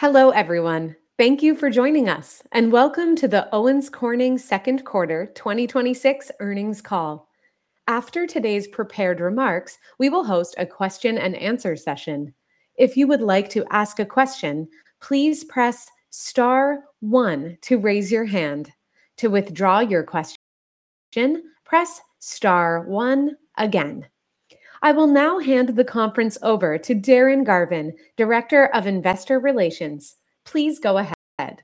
Hello everyone. Thank you for joining us, and welcome to the Owens Corning second quarter 2026 earnings call. After today's prepared remarks, we will host a question-and-answer session. If you would like to ask a question, please press star one to raise your hand. To withdraw your question, press star one again. I will now hand the conference over to Darren Garvin, Director of Investor Relations. Please go ahead.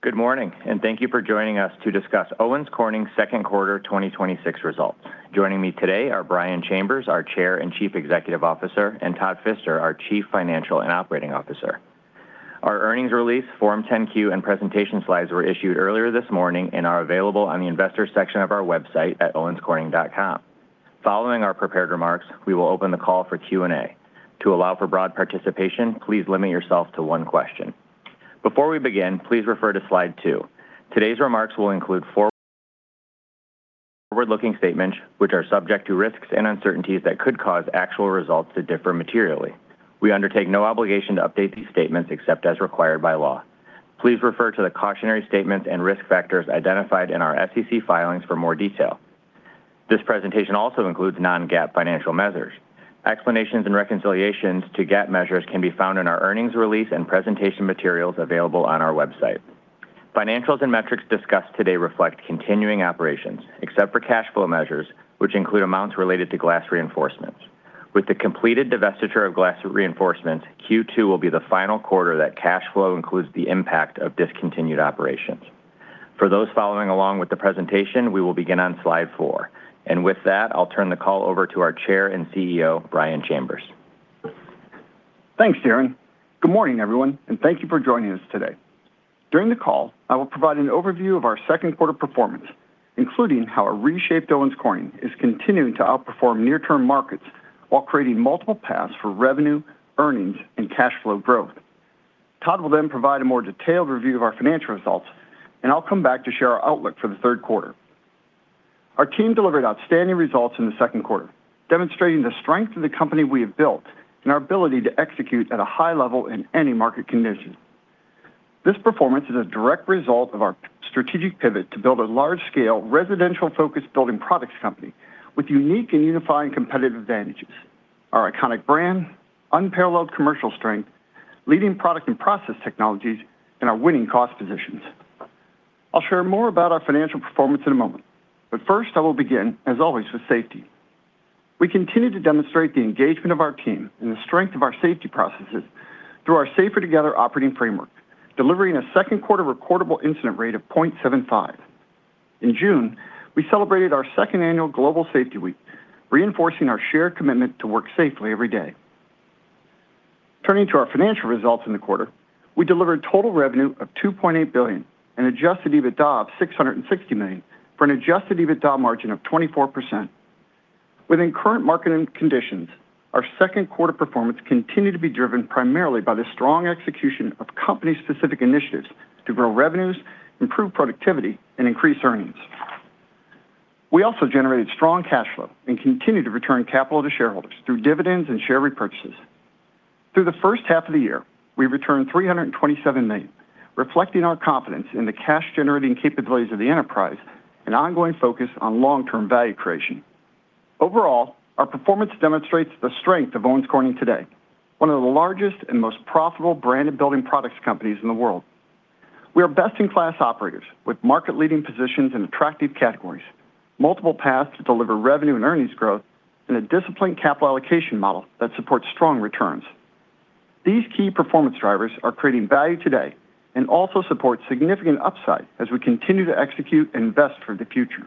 Good morning, and thank you for joining us to discuss Owens Corning second quarter 2026 results. Joining me today are Brian Chambers, our Chair and Chief Executive Officer, and Todd Fister, our Chief Financial and Operating Officer. Our earnings release, Form 10-Q, and presentation slides were issued earlier this morning and are available on the investors section of our website at owenscorning.com. Following our prepared remarks, we will open the call for Q&A. To allow for broad participation, please limit yourself to one question. Before we begin, please refer to slide two. Today's remarks will include forward-looking statements, which are subject to risks and uncertainties that could cause actual results to differ materially. We undertake no obligation to update these statements except as required by law. Please refer to the cautionary statements and risk factors identified in our SEC filings for more detail. This presentation also includes non-GAAP financial measures. Explanations and reconciliations to GAAP measures can be found in our earnings release and presentation materials available on our website. Financials and metrics discussed today reflect continuing operations, except for cash flow measures, which include amounts related to glass reinforcements. With the completed divestiture of glass reinforcements, Q2 will be the final quarter that cash flow includes the impact of discontinued operations. For those following along with the presentation, we will begin on slide four. With that, I'll turn the call over to our Chair and CEO, Brian Chambers. Thanks, Darren. Good morning, everyone, and thank you for joining us today. During the call, I will provide an overview of our second quarter performance, including how a reshaped Owens Corning is continuing to outperform near-term markets while creating multiple paths for revenue, earnings, and cash flow growth. Todd will then provide a more detailed review of our financial results, and I'll come back to share our outlook for the third quarter. Our team delivered outstanding results in the second quarter, demonstrating the strength of the company we have built and our ability to execute at a high level in any market condition. This performance is a direct result of our strategic pivot to build a large-scale, residential-focused building products company with unique and unifying competitive advantages, our iconic brand, unparalleled commercial strength, leading product and process technologies, and our winning cost positions. I'll share more about our financial performance in a moment, but first, I will begin, as always, with safety. We continue to demonstrate the engagement of our team and the strength of our safety processes through our Safer Together operating framework, delivering a second quarter recordable incident rate of 0.75. In June, we celebrated our second annual Global Safety Week, reinforcing our shared commitment to work safely every day. Turning to our financial results in the quarter, we delivered total revenue of $2.8 billion and adjusted EBITDA of $660 million, for an adjusted EBITDA margin of 24%. Within current market conditions, our second quarter performance continued to be driven primarily by the strong execution of company-specific initiatives to grow revenues, improve productivity, and increase earnings. We also generated strong cash flow and continue to return capital to shareholders through dividends and share repurchases. Through the first half of the year, we returned $327 million, reflecting our confidence in the cash-generating capabilities of the enterprise and ongoing focus on long-term value creation. Overall, our performance demonstrates the strength of Owens Corning today, one of the largest and most profitable branded building products companies in the world. We are best-in-class operators with market-leading positions in attractive categories, multiple paths to deliver revenue and earnings growth, and a disciplined capital allocation model that supports strong returns. These key performance drivers are creating value today and also support significant upside as we continue to execute and invest for the future.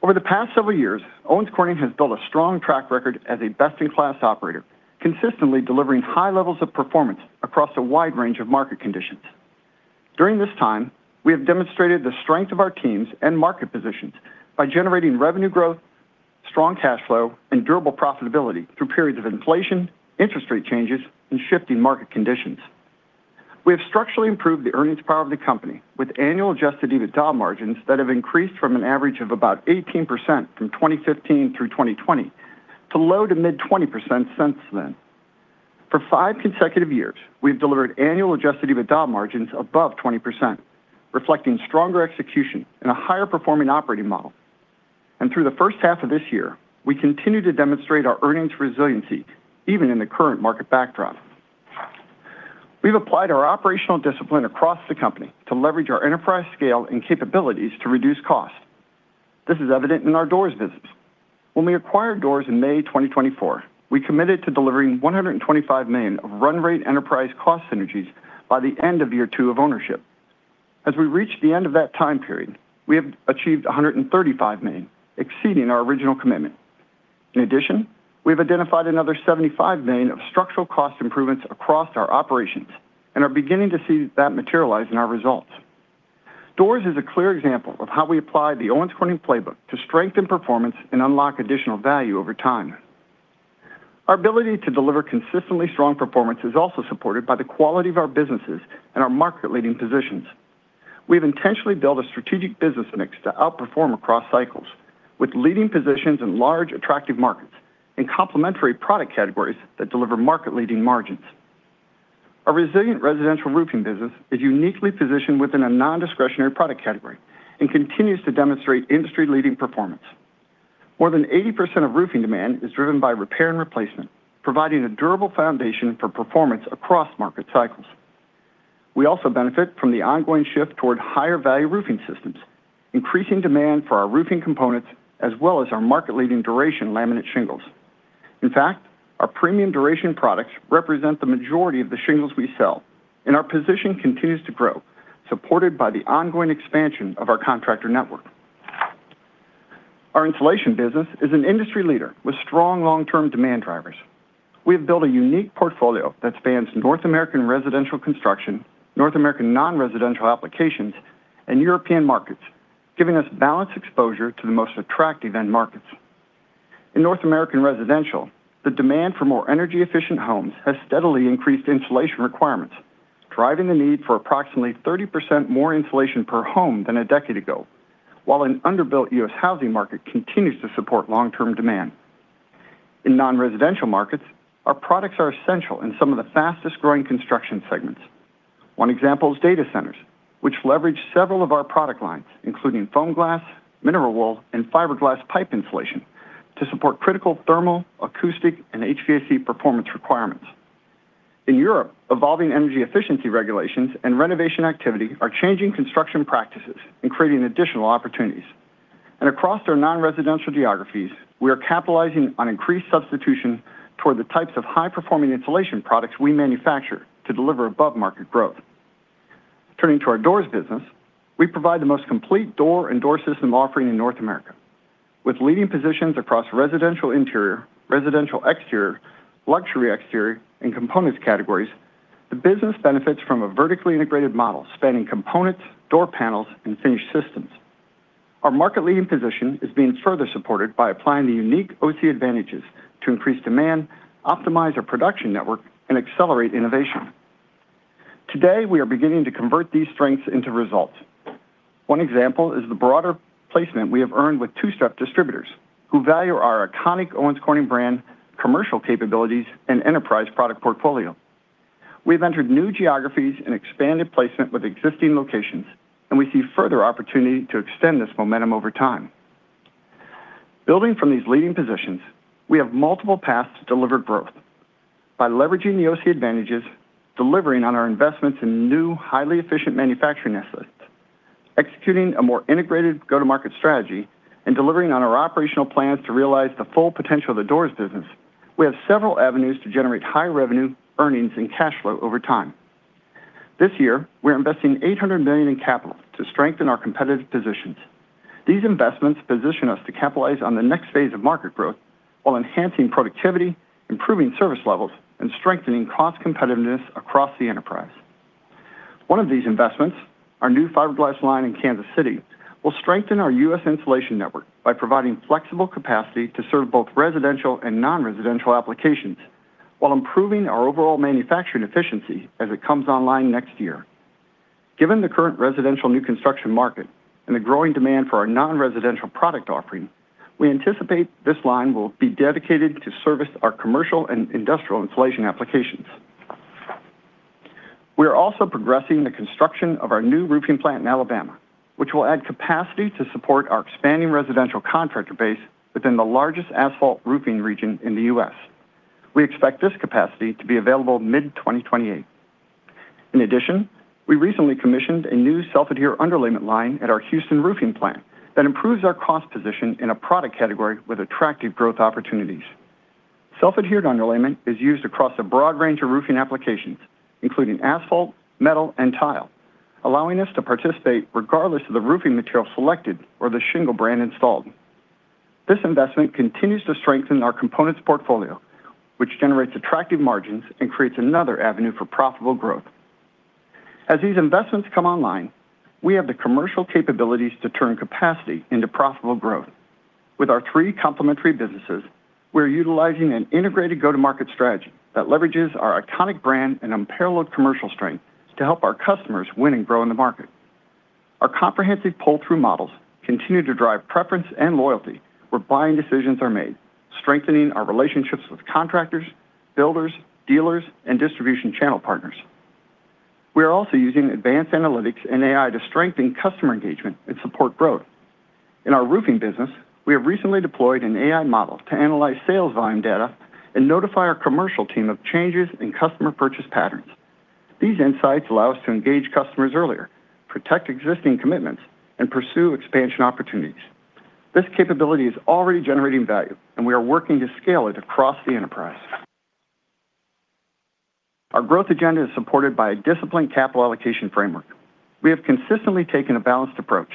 Over the past several years, Owens Corning has built a strong track record as a best-in-class operator, consistently delivering high levels of performance across a wide range of market conditions. During this time, we have demonstrated the strength of our teams and market positions by generating revenue growth, strong cash flow, and durable profitability through periods of inflation, interest rate changes, and shifting market conditions. We have structurally improved the earnings power of the company with annual adjusted EBITDA margins that have increased from an average of about 18% from 2015 through 2020 to low to mid 20% since then. For five consecutive years, we've delivered annual adjusted EBITDA margins above 20%, reflecting stronger execution and a higher performing operating model. And through the first half of this year, we continue to demonstrate our earnings resiliency even in the current market backdrop. We've applied our operational discipline across the company to leverage our enterprise scale and capabilities to reduce cost. This is evident in our doors business. When we acquired doors in May 2024, we committed to delivering $125 million of run rate enterprise cost synergies by the end of year two of ownership. As we reach the end of that time period, we have achieved $135 million, exceeding our original commitment. In addition, we've identified another $75 million of structural cost improvements across our operations and are beginning to see that materialize in our results. Doors is a clear example of how we apply the Owens Corning playbook to strengthen performance and unlock additional value over time. Our ability to deliver consistently strong performance is also supported by the quality of our businesses and our market-leading positions. We have intentionally built a strategic business mix to outperform across cycles with leading positions in large attractive markets and complementary product categories that deliver market-leading margins. Our resilient residential roofing business is uniquely positioned within a non-discretionary product category and continues to demonstrate industry-leading performance. More than 80% of roofing demand is driven by repair and replacement, providing a durable foundation for performance across market cycles. We also benefit from the ongoing shift toward higher-value roofing systems, increasing demand for our roofing components as well as our market-leading Duration laminated shingles. In fact, our premium Duration products represent the majority of the shingles we sell, and our position continues to grow, supported by the ongoing expansion of our contractor network. Our insulation business is an industry leader with strong long-term demand drivers. We have built a unique portfolio that spans North American residential construction, North American non-residential applications, and European markets, giving us balanced exposure to the most attractive end markets. In North American residential, the demand for more energy-efficient homes has steadily increased insulation requirements, driving the need for approximately 30% more insulation per home than a decade ago, while an underbuilt U.S. housing market continues to support long-term demand. In non-residential markets, our products are essential in some of the fastest-growing construction segments. One example is data centers, which leverage several of our product lines, including FOAMGLAS, mineral wool, and Fiberglas pipe insulation to support critical thermal, acoustic, and HVAC performance requirements. In Europe, evolving energy efficiency regulations and renovation activity are changing construction practices and creating additional opportunities. Across our non-residential geographies, we are capitalizing on increased substitution toward the types of high-performing insulation products we manufacture to deliver above-market growth. Turning to our doors business, we provide the most complete door and door system offering in North America. With leading positions across residential interior, residential exterior, luxury exterior, and components categories, the business benefits from a vertically integrated model spanning components, door panels, and finished systems. Our market-leading position is being further supported by applying the unique OC advantages to increase demand, optimize our production network, and accelerate innovation. Today, we are beginning to convert these strengths into results. One example is the broader placement we have earned with two-step distributors who value our iconic Owens Corning brand, commercial capabilities, and enterprise product portfolio. We've entered new geographies and expanded placement with existing locations, and we see further opportunity to extend this momentum over time. Building from these leading positions, we have multiple paths to deliver growth. By leveraging the OC advantages, delivering on our investments in new, highly efficient manufacturing assets, executing a more integrated go-to-market strategy, and delivering on our operational plans to realize the full potential of the doors business, we have several avenues to generate high revenue, earnings, and cash flow over time. This year, we're investing $800 million in capital to strengthen our competitive positions. These investments position us to capitalize on the next phase of market growth while enhancing productivity, improving service levels, and strengthening cost competitiveness across the enterprise. One of these investments, our new Fiberglas line in Kansas City, will strengthen our U.S. insulation network by providing flexible capacity to serve both residential and non-residential applications while improving our overall manufacturing efficiency as it comes online next year. Given the current residential new construction market and the growing demand for our non-residential product offering, we anticipate this line will be dedicated to service our commercial and industrial insulation applications. We are also progressing the construction of our new roofing plant in Alabama, which will add capacity to support our expanding residential contractor base within the largest asphalt roofing region in the U.S. We expect this capacity to be available mid-2028. In addition, we recently commissioned a new self-adhered underlayment line at our Houston roofing plant that improves our cost position in a product category with attractive growth opportunities. Self-adhered underlayment is used across a broad range of roofing applications, including asphalt, metal, and tile, allowing us to participate regardless of the roofing material selected or the shingle brand installed. This investment continues to strengthen our components portfolio, which generates attractive margins and creates another avenue for profitable growth. As these investments come online, we have the commercial capabilities to turn capacity into profitable growth. With our three complementary businesses, we are utilizing an integrated go-to-market strategy that leverages our iconic brand and unparalleled commercial strength to help our customers win and grow in the market. Our comprehensive pull-through models continue to drive preference and loyalty where buying decisions are made, strengthening our relationships with contractors, builders, dealers, and distribution channel partners. We are also using advanced analytics and AI to strengthen customer engagement and support growth. In our roofing business, we have recently deployed an AI model to analyze sales volume data and notify our commercial team of changes in customer purchase patterns. These insights allow us to engage customers earlier, protect existing commitments, and pursue expansion opportunities. This capability is already generating value, and we are working to scale it across the enterprise. Our growth agenda is supported by a disciplined capital allocation framework. We have consistently taken a balanced approach,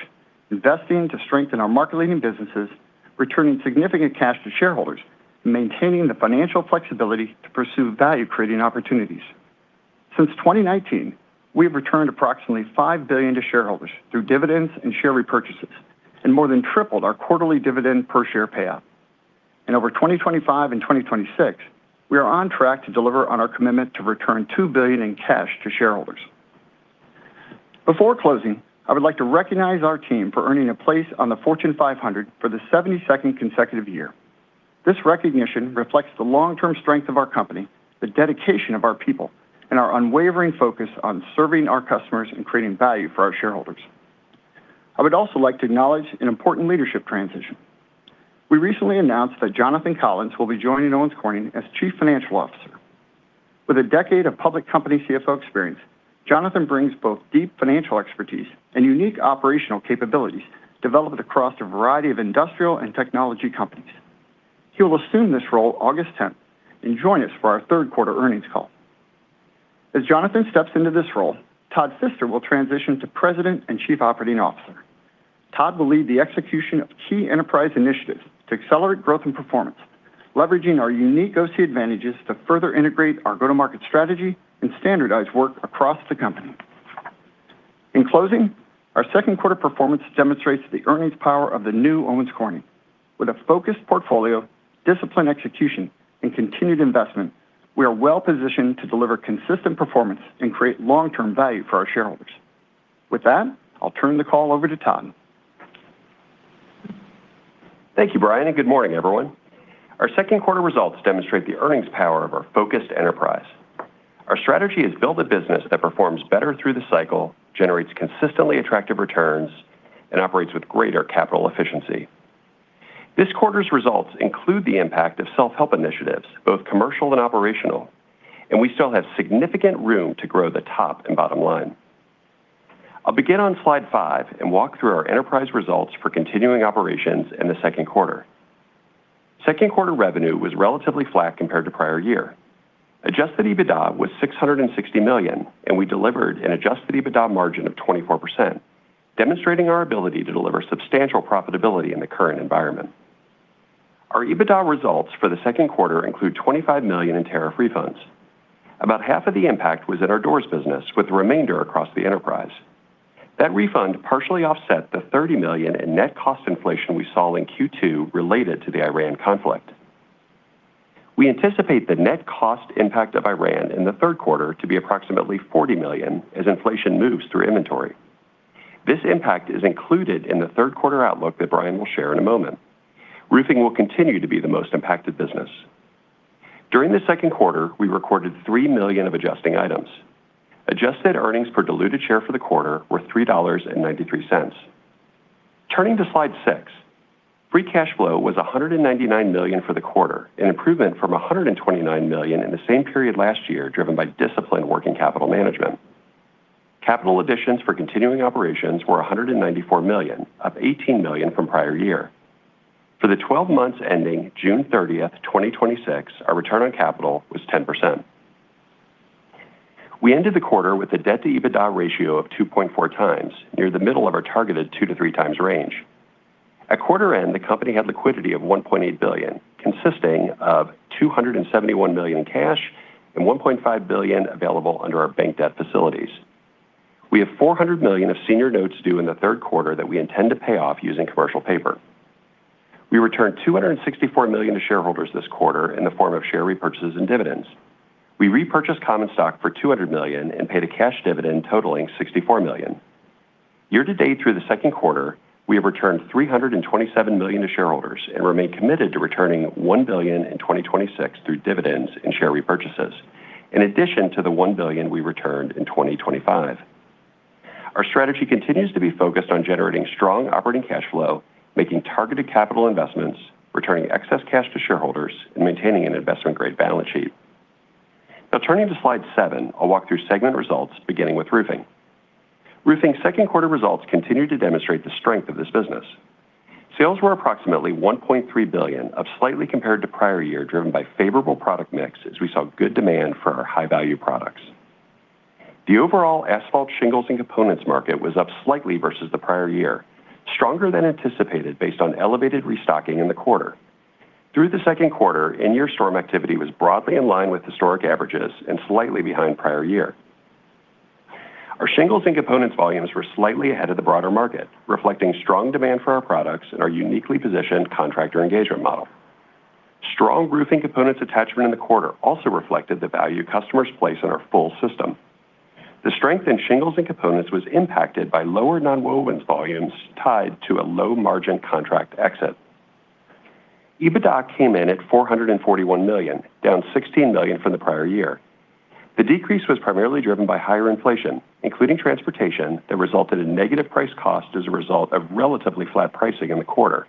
investing to strengthen our market-leading businesses, returning significant cash to shareholders, and maintaining the financial flexibility to pursue value-creating opportunities. Since 2019, we have returned approximately $5 billion to shareholders through dividends and share repurchases and more than tripled our quarterly dividend per share payout. Over 2025 and 2026, we are on track to deliver on our commitment to return $2 billion in cash to shareholders. Before closing, I would like to recognize our team for earning a place on the Fortune 500 for the 72nd consecutive year. This recognition reflects the long-term strength of our company, the dedication of our people, and our unwavering focus on serving our customers and creating value for our shareholders. I would also like to acknowledge an important leadership transition. We recently announced that Jonathan Collins will be joining Owens Corning as Chief Financial Officer. With a decade of public company CFO experience, Jonathan brings both deep financial expertise and unique operational capabilities developed across a variety of industrial and technology companies. He will assume this role August 10th and join us for our third quarter earnings call. As Jonathan steps into this role, Todd Fister will transition to President and Chief Operating Officer. Todd will lead the execution of key enterprise initiatives to accelerate growth and performance, leveraging our unique OC advantages to further integrate our go-to-market strategy and standardize work across the company. In closing, our second quarter performance demonstrates the earnings power of the new Owens Corning. With a focused portfolio, disciplined execution, and continued investment, we are well-positioned to deliver consistent performance and create long-term value for our shareholders. With that, I'll turn the call over to Todd. Thank you, Brian, and good morning, everyone. Our second quarter results demonstrate the earnings power of our focused enterprise. Our strategy is build a business that performs better through the cycle, generates consistently attractive returns, and operates with greater capital efficiency. This quarter's results include the impact of self-help initiatives, both commercial and operational, and we still have significant room to grow the top and bottom line. I'll begin on slide five and walk through our enterprise results for continuing operations in the second quarter. Second quarter revenue was relatively flat compared to prior year. Adjusted EBITDA was $660 million, and we delivered an adjusted EBITDA margin of 24%, demonstrating our ability to deliver substantial profitability in the current environment. Our EBITDA results for the second quarter include $25 million in tariff refunds. About half of the impact was at our doors business, with the remainder across the enterprise. That refund partially offset the $30 million in net cost inflation we saw in Q2 related to the Iran conflict. We anticipate the net cost impact of Iran in the third quarter to be approximately $40 million as inflation moves through inventory. This impact is included in the third quarter outlook that Brian will share in a moment. Roofing will continue to be the most impacted business. During the second quarter, we recorded $3 million of adjusting items. Adjusted earnings per diluted share for the quarter were $3.93. Turning to slide six, free cash flow was $199 million for the quarter, an improvement from $129 million in the same period last year driven by disciplined work in capital management. Capital additions for continuing operations were $194 million, up $18 million from prior year. For the 12 months ending June 30th, 2026, our return on capital was 10%. We ended the quarter with a debt-to-EBITDA ratio of 2.4x, near the middle of our targeted 2x-3x range. At quarter end, the company had liquidity of $1.8 billion, consisting of $271 million in cash and $1.5 billion available under our bank debt facilities. We have $400 million of senior notes due in the third quarter that we intend to pay off using commercial paper. We returned $264 million to shareholders this quarter in the form of share repurchases and dividends. We repurchased common stock for $200 million and paid a cash dividend totaling $64 million. Year-to-date through the second quarter, we have returned $327 million to shareholders and remain committed to returning $1 billion in 2026 through dividends and share repurchases, in addition to the $1 billion we returned in 2025. Our strategy continues to be focused on generating strong operating cash flow, making targeted capital investments, returning excess cash to shareholders, and maintaining an investment-grade balance sheet. Turning to slide seven, I'll walk through segment results beginning with roofing. Roofing second quarter results continue to demonstrate the strength of this business. Sales were approximately $1.3 billion, up slightly compared to prior year, driven by favorable product mix as we saw good demand for our high-value products. The overall asphalt shingles and components market was up slightly versus the prior year, stronger than anticipated based on elevated restocking in the quarter. Through the second quarter, in-year storm activity was broadly in line with historic averages and slightly behind prior year. Our shingles and components volumes were slightly ahead of the broader market, reflecting strong demand for our products and our uniquely positioned contractor engagement model. Strong roofing components attachment in the quarter also reflected the value customers place on our full system. The strength in shingles and components was impacted by lower nonwovens volumes tied to a low-margin contract exit. EBITDA came in at $441 million, down $16 million from the prior year. The decrease was primarily driven by higher inflation, including transportation, that resulted in negative price cost as a result of relatively flat pricing in the quarter.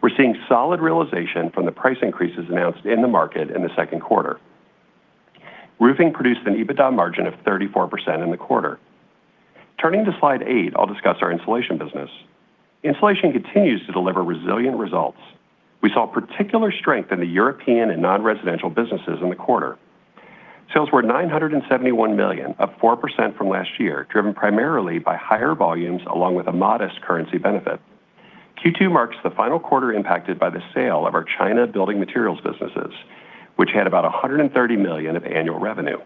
We're seeing solid realization from the price increases announced in the market in the second quarter. Roofing produced an EBITDA margin of 34% in the quarter. Turning to slide eight, I'll discuss our insulation business. Insulation continues to deliver resilient results. We saw particular strength in the European and non-residential businesses in the quarter. Sales were $971 million, up 4% from last year, driven primarily by higher volumes along with a modest currency benefit. Q2 marks the final quarter impacted by the sale of our China building materials businesses, which had about $130 million of annual revenue.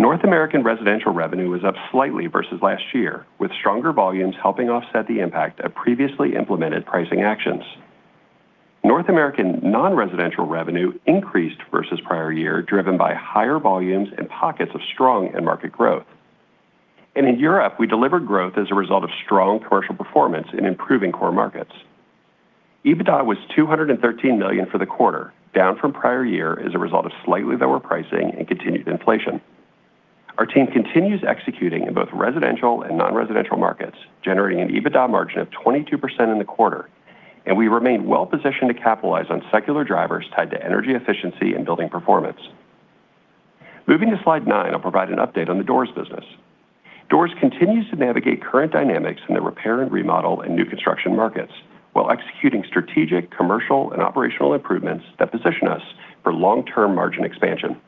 North American residential revenue was up slightly versus last year, with stronger volumes helping offset the impact of previously implemented pricing actions. North American non-residential revenue increased versus prior year, driven by higher volumes and pockets of strong end market growth. In Europe, we delivered growth as a result of strong commercial performance in improving core markets. EBITDA was $213 million for the quarter, down from prior year as a result of slightly lower pricing and continued inflation. Our team continues executing in both residential and non-residential markets, generating an EBITDA margin of 22% in the quarter, and we remain well-positioned to capitalize on secular drivers tied to energy efficiency and building performance. Moving to slide nine, I'll provide an update on the doors business. Doors continues to navigate current dynamics in the repair and remodel and new construction markets while executing strategic commercial and operational improvements that position us for long-term margin expansion.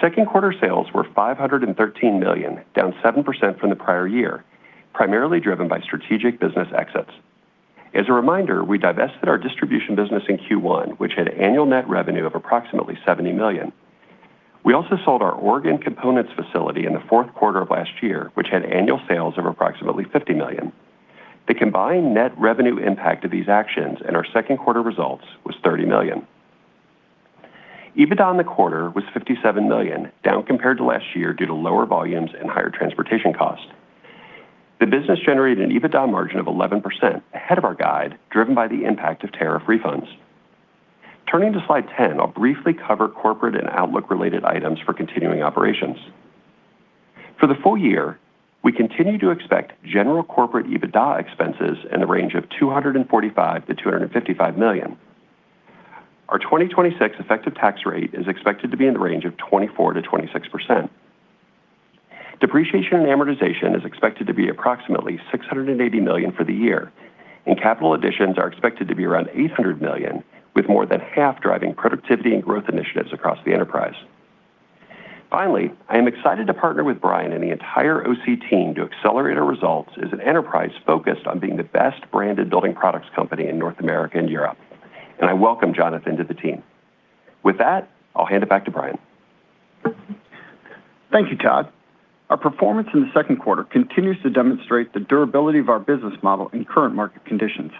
Second quarter sales were $513 million, down 7% from the prior year, primarily driven by strategic business exits. As a reminder, we divested our distribution business in Q1, which had annual net revenue of approximately $70 million. We also sold our Oregon components facility in the fourth quarter of last year, which had annual sales of approximately $50 million. The combined net revenue impact of these actions in our second quarter results was $30 million. EBITDA in the quarter was $57 million, down compared to last year due to lower volumes and higher transportation costs. The business generated an EBITDA margin of 11%, ahead of our guide, driven by the impact of tariff refunds. Turning to slide 10, I'll briefly cover corporate and outlook-related items for continuing operations. For the full year, we continue to expect general corporate EBITDA expenses in the range of $245 million-$255 million. Our 2026 effective tax rate is expected to be in the range of 24%-26%. Depreciation and amortization is expected to be approximately $680 million for the year, and capital additions are expected to be around $800 million, with more than half driving productivity and growth initiatives across the enterprise. Finally, I am excited to partner with Brian and the entire OC team to accelerate our results as an enterprise focused on being the best-branded building products company in North America and Europe, and I welcome Jonathan to the team. With that, I'll hand it back to Brian. Thank you, Todd. Our performance in the second quarter continues to demonstrate the durability of our business model in current market conditions.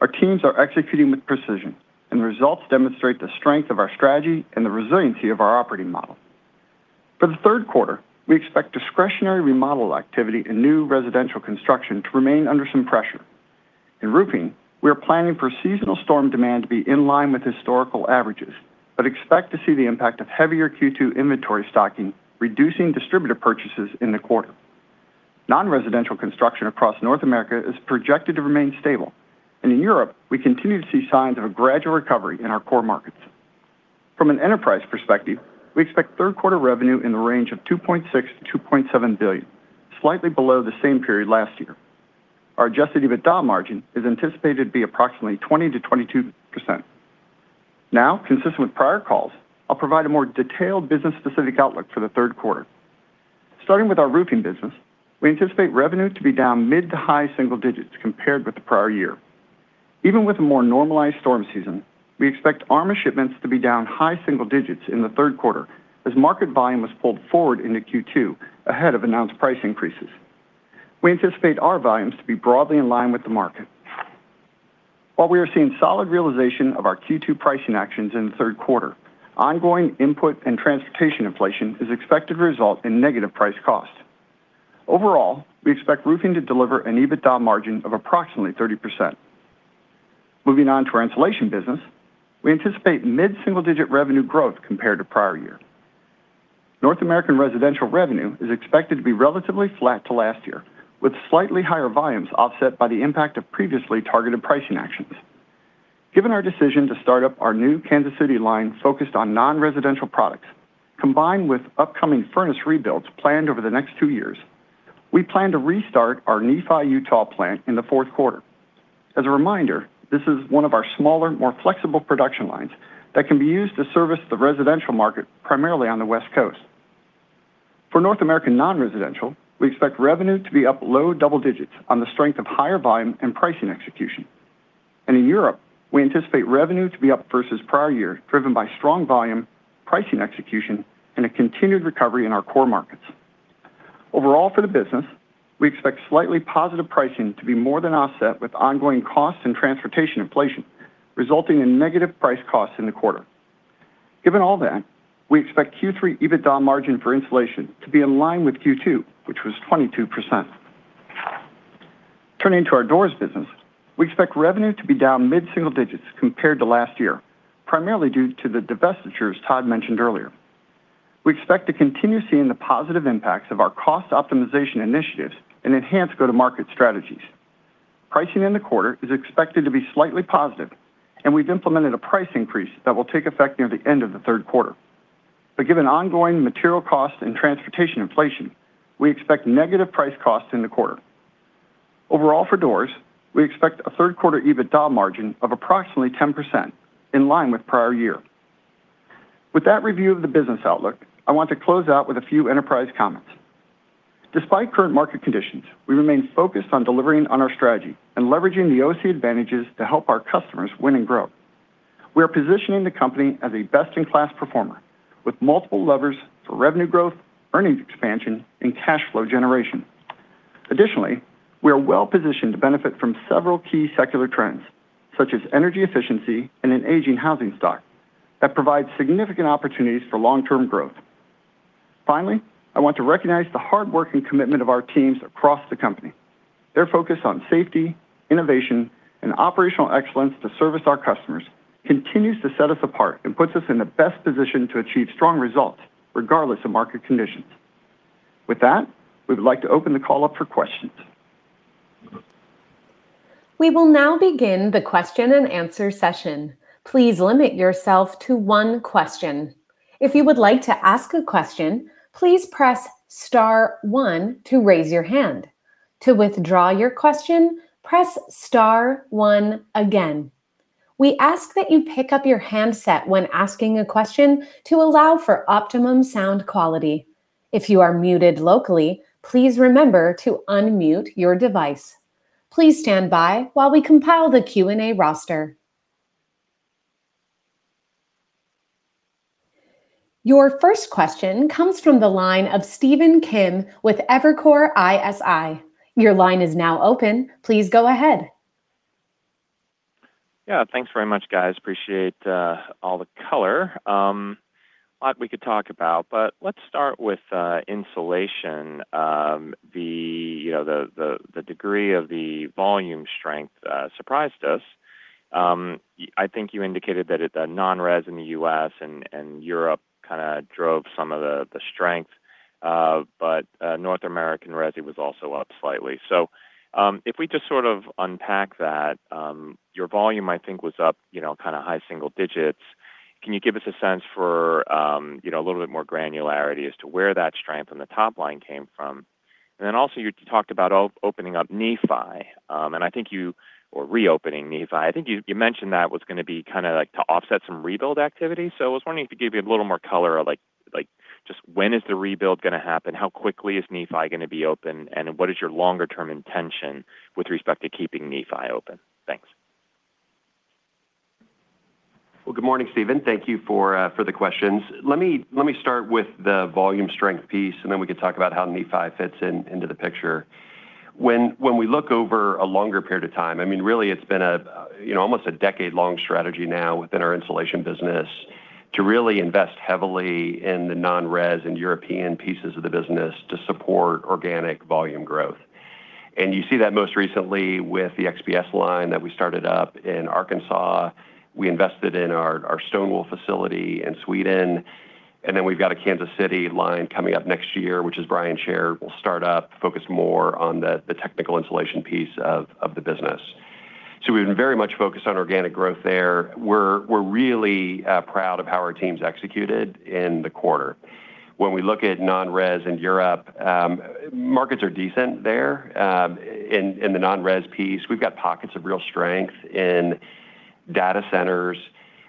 Our teams are executing with precision, and the results demonstrate the strength of our strategy and the resiliency of our operating model. For the third quarter, we expect discretionary remodel activity and new residential construction to remain under some pressure. In roofing, we are planning for seasonal storm demand to be in line with historical averages, but expect to see the impact of heavier Q2 inventory stocking, reducing distributor purchases in the quarter. Non-residential construction across North America is projected to remain stable. In Europe, we continue to see signs of a gradual recovery in our core markets. From an enterprise perspective, we expect third quarter revenue in the range of $2.6 billion-$2.7 billion, slightly below the same period last year. Our adjusted EBITDA margin is anticipated to be approximately 20%-22%. Now, consistent with prior calls, I'll provide a more detailed business specific outlook for the third quarter. Starting with our roofing business, we anticipate revenue to be down mid-to-high single digits compared with the prior year. Even with a more normalized storm season, we expect ARMA shipments to be down high single digits in the third quarter as market volume was pulled forward into Q2 ahead of announced price increases. We anticipate our volumes to be broadly in line with the market. While we are seeing solid realization of our Q2 pricing actions in the third quarter, ongoing input and transportation inflation is expected to result in negative price cost. Overall, we expect roofing to deliver an EBITDA margin of approximately 30%. Moving on to our insulation business, we anticipate mid-single-digit revenue growth compared to prior year. North American residential revenue is expected to be relatively flat to last year, with slightly higher volumes offset by the impact of previously targeted pricing actions. Given our decision to start up our new Kansas City line focused on non-residential products, combined with upcoming furnace rebuilds planned over the next two years, we plan to restart our Nephi, Utah plant in the fourth quarter. As a reminder, this is one of our smaller, more flexible production lines that can be used to service the residential market, primarily on the West Coast. For North American non-residential, we expect revenue to be up low double digits on the strength of higher volume and pricing execution. In Europe, we anticipate revenue to be up versus prior year, driven by strong volume, pricing execution, and a continued recovery in our core markets. Overall, for the business, we expect slightly positive pricing to be more than offset with ongoing costs and transportation inflation, resulting in negative price costs in the quarter. Given all that, we expect Q3 EBITDA margin for insulation to be in line with Q2, which was 22%. Turning to our doors business, we expect revenue to be down mid-single digits compared to last year, primarily due to the divestitures Todd mentioned earlier. We expect to continue seeing the positive impacts of our cost optimization initiatives and enhanced go-to-market strategies. Pricing in the quarter is expected to be slightly positive, and we've implemented a price increase that will take effect near the end of the third quarter. Given ongoing material costs and transportation inflation, we expect negative price costs in the quarter. Overall, for doors, we expect a third quarter EBITDA margin of approximately 10%, in line with prior year. With that review of the business outlook, I want to close out with a few enterprise comments. Despite current market conditions, we remain focused on delivering on our strategy and leveraging the OC advantages to help our customers win and grow. We are positioning the company as a best-in-class performer with multiple levers for revenue growth, earnings expansion, and cash flow generation. Additionally, we are well-positioned to benefit from several key secular trends, such as energy efficiency and an aging housing stock, that provide significant opportunities for long-term growth. Finally, I want to recognize the hard work and commitment of our teams across the company. Their focus on safety, innovation, and operational excellence to service our customers continues to set us apart and puts us in the best position to achieve strong results regardless of market conditions. With that, we would like to open the call up for questions. We will now begin the question-and-answer session. Please limit yourself to one question. If you would like to ask a question, please press star one to raise your hand. To withdraw your question, press star one again. We ask that you pick up your handset when asking a question to allow for optimum sound quality. If you are muted locally, please remember to unmute your device. Please stand by while we compile the Q&A roster. Your first question comes from the line of Stephen Kim with Evercore ISI. Your line is now open. Please go ahead. Yeah. Thanks very much, guys. Appreciate all the color. A lot we could talk about, but let's start with insulation. The degree of the volume strength surprised us. I think you indicated that the non-res in the U.S. and Europe kind of drove some of the strength. North American res, it was also up slightly. If we just sort of unpack that, your volume, I think, was up kind of high single digits. Can you give us a sense for a little bit more granularity as to where that strength in the top line came from? Also, you talked about opening up Nephi, or reopening Nephi. I think you mentioned that was going to be kind of to offset some rebuild activity. I was wondering if you could give me a little more color on, like, just when is the rebuild going to happen? How quickly is Nephi going to be open, and what is your longer-term intention with respect to keeping Nephi open? Thanks. Well, good morning, Stephen. Thank you for the questions. Let me start with the volume strength piece, and then we can talk about how Nephi fits into the picture. When we look over a longer period of time, I mean, really, it's been almost a decade-long strategy now within our insulation business to really invest heavily in the non-res and European pieces of the business to support organic volume growth, and you see that most recently with the XPS line that we started up in Arkansas. We invested in our Hässleholm facility in Sweden, and then we've got a Kansas City line coming up next year, which as Brian shared, will start up focused more on the technical insulation piece of the business. We've been very much focused on organic growth there. We're really proud of how our teams executed in the quarter. When we look at non-res in Europe, markets are decent there. In the non-res piece, we've got pockets of real strength in data centers,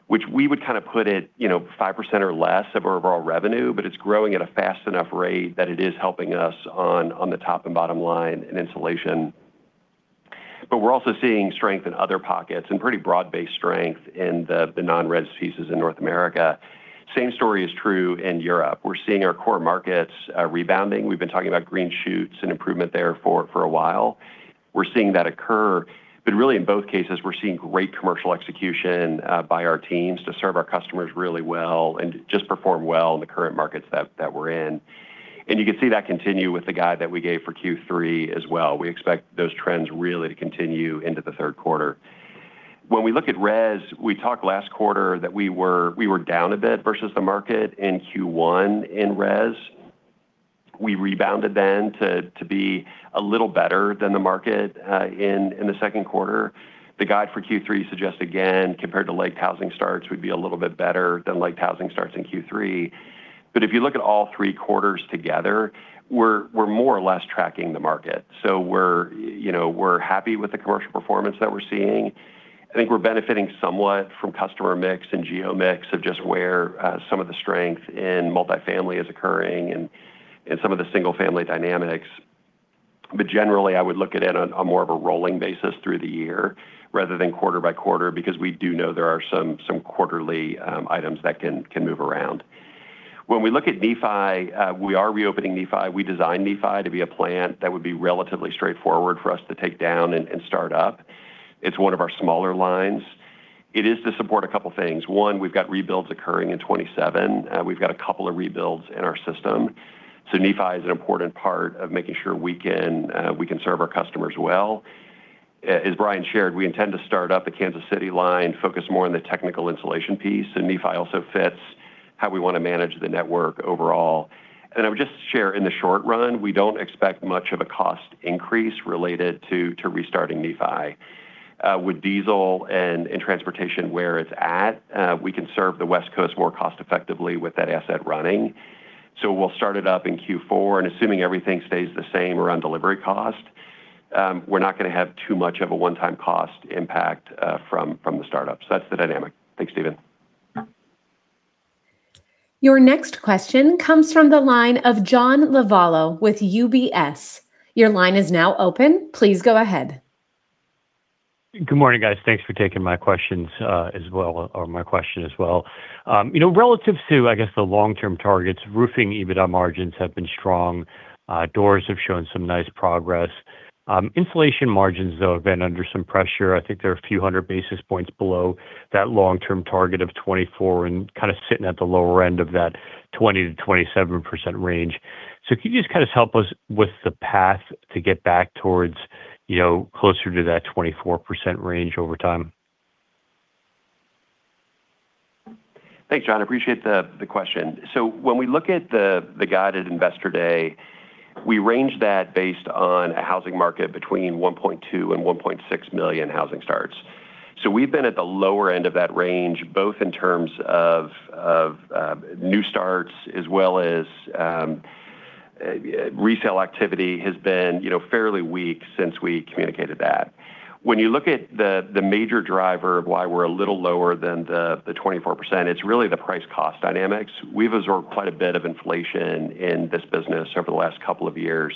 which we would kind of put at 5% or less of our overall revenue, but it's growing at a fast enough rate that it is helping us on the top and bottom line in insulation. We're also seeing strength in other pockets and pretty broad-based strength in the non-res pieces in North America. Same story is true in Europe. We're seeing our core markets rebounding. We've been talking about green shoots and improvement there for a while. We're seeing that occur, but really, in both cases, we're seeing great commercial execution by our teams to serve our customers really well and just perform well in the current markets that we're in. You can see that continue with the guide that we gave for Q3 as well. We expect those trends really to continue into the third quarter. When we look at res, we talked last quarter that we were down a bit versus the market in Q1 in res. We rebounded then to be a little better than the market in the second quarter. The guide for Q3 suggests, again, compared to like housing starts, we'd be a little bit better than like housing starts in Q3. But if you look at all three quarters together, we're more or less tracking the market. We're happy with the commercial performance that we're seeing. I think we're benefiting somewhat from customer mix and geo mix of just where some of the strength in multi-family is occurring and some of the single-family dynamics. Generally, I would look at it on more of a rolling basis through the year rather than quarter by quarter, because we do know there are some quarterly items that can move around. When we look at Nephi, we are reopening Nephi. We designed Nephi to be a plant that would be relatively straightforward for us to take down and start up. It's one of our smaller lines. It is to support a couple things. One, we've got rebuilds occurring in 2027. We've got a couple of rebuilds in our system. Nephi is an important part of making sure we can serve our customers well. As Brian shared, we intend to start up a Kansas City line, focus more on the technical insulation piece, and Nephi also fits how we want to manage the network overall. And I would just share in the short run, we don't expect much of a cost increase related to restarting Nephi. With diesel and transportation where it's at, we can serve the West Coast more cost-effectively with that asset running. We'll start it up in Q4, and assuming everything stays the same around delivery cost, we're not going to have too much of a one-time cost impact from the startup. That's the dynamic. Thanks, Stephen. Your next question comes from the line of John Lovallo with UBS. Your line is now open. Please go ahead. Good morning, guys. Thanks for taking my question as well. Relative to, I guess, the long-term targets, roofing EBITDA margins have been strong. Doors have shown some nice progress. Insulation margins, though, have been under some pressure. I think they're a few hundred basis points below that long-term target of 24% and kind of sitting at the lower end of that 20%-27% range. Can you just help us with the path to get back towards closer to that 24% range over time? Thanks, John. I appreciate the question. When we look at the guided Investor Day, we range that based on a housing market between 1.2 million-1.6 million housing starts. We've been at the lower end of that range, both in terms of new starts as well as, resale activity has been fairly weak since we communicated that. When you look at the major driver of why we're a little lower than the 24%, it's really the price-cost dynamics. We've absorbed quite a bit of inflation in this business over the last couple of years.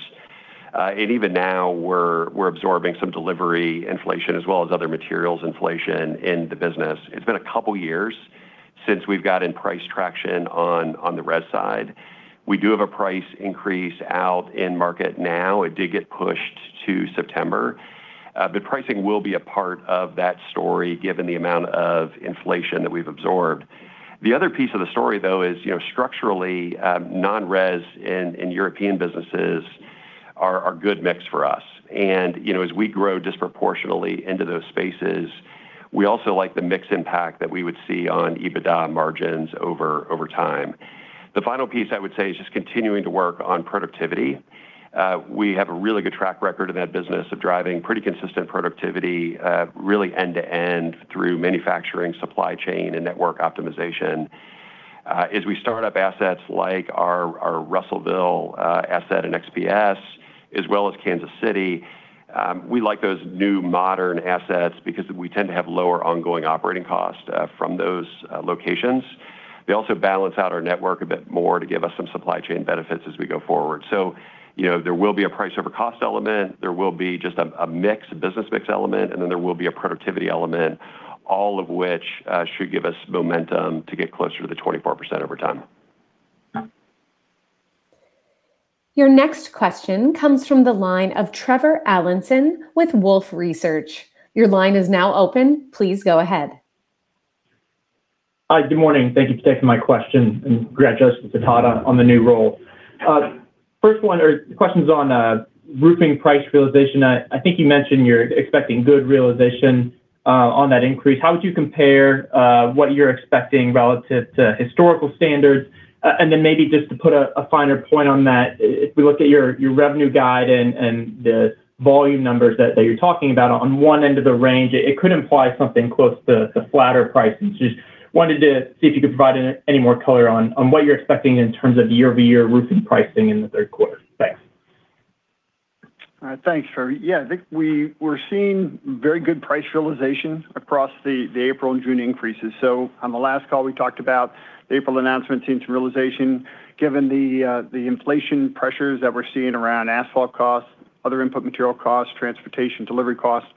Even now, we're absorbing some delivery inflation as well as other materials inflation in the business. It's been a couple of years since we've gotten price traction on the res side. We do have a price increase out in market now. It did get pushed to September. Pricing will be a part of that story given the amount of inflation that we've absorbed. The other piece of the story, though, is structurally, non-res and European businesses are good mix for us. As we grow disproportionately into those spaces, we also like the mix impact that we would see on EBITDA margins over time. The final piece I would say is just continuing to work on productivity. We have a really good track record in that business of driving pretty consistent productivity, really end-to-end through manufacturing, supply chain, and network optimization. As we start up assets like our Russellville asset and XPS, as well as Kansas City, we like those new modern assets because we tend to have lower ongoing operating costs from those locations. They also balance out our network a bit more to give us some supply chain benefits as we go forward. There will be a price over cost element, there will be just a business mix element, and then there will be a productivity element, all of which should give us momentum to get closer to the 24% over time. Your next question comes from the line of Trevor Allinson with Wolfe Research. Your line is now open. Please go ahead. Hi, good morning. Thank you for taking my question, and congrats to Todd on the new role. First one are questions on roofing price realization. I think you mentioned you're expecting good realization on that increase. How would you compare what you're expecting relative to historical standards? And then maybe just to put a finer point on that, if we look at your revenue guide and the volume numbers that you're talking about on one end of the range, it could imply something close to flatter pricing. Just wanted to see if you could provide any more color on what you're expecting in terms of year-over-year roofing pricing in the third quarter. Thanks. All right. Thanks, Trevor. Yeah. I think we're seeing very good price realization across the April and June increases. On the last call, we talked about the April announcement seeing some realization, given the inflation pressures that we're seeing around asphalt costs, other input material costs, transportation delivery costs.